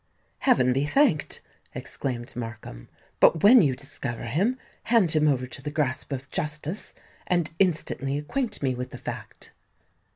"Heaven be thanked!" exclaimed Markham. "But when you discover him, hand him over to the grasp of justice, and instantly acquaint me with the fact."